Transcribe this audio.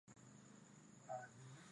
pwani ya Afrika asharikina wageni wa kutoka